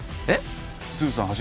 えっ？